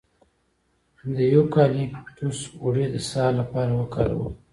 د یوکالیپټوس غوړي د ساه لپاره وکاروئ